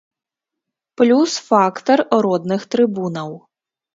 Плюс фактар родных трыбунаў.